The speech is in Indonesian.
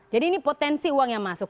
jadi ini potensi uang yang masuk